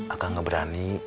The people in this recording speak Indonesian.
akang gak berani